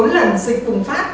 bốn lần dịch cùng phát